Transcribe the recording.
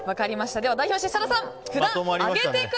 代表して設楽さん